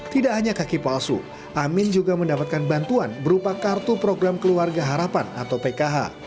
tidak hanya kaki palsu amin juga mendapatkan bantuan berupa kartu program keluarga harapan atau pkh